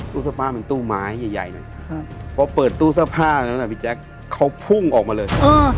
ตู้สะพามันตู้ไม้ใหญ่เร็วไปเจ๊งแจ๊กเขาพุ่งออกมาเลย